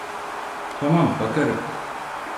Tamam, bakarım.